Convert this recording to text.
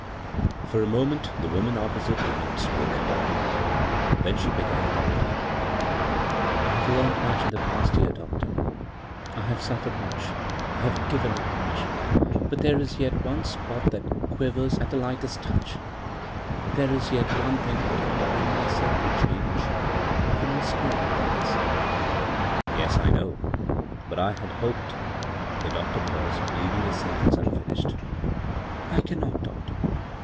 For a moment the woman opposite did not speak ; then she began hurriedly :" I have learned much in the past year, doctor — I have suffered much — I have given up much ; but there is yet one spot that quivers at the lightest touch — there is yet b, Google CROSS CURRENTS one thing I cannot bring myself to change You must know what that is." " Yes, I know ; but 1 had hoped " the doctor paused, leaving his sentence unfin ished. " I cannot, doctor.